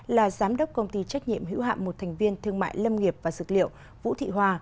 là giám đốc công ty trách nhiệm hữu hạm một thành viên thương mại lâm nghiệp và dược liệu vũ thị hòa